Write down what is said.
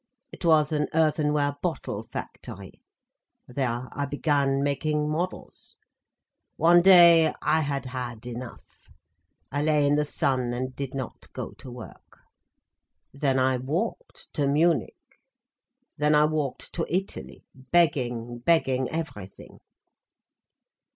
It was an earthenware bottle factory. There I began making models. One day, I had had enough. I lay in the sun and did not go to work. Then I walked to Munich—then I walked to Italy—begging, begging everything."